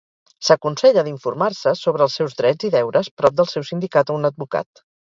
S'aconsella d'informar-se sobre els seus drets i deures prop del seu sindicat o un advocat.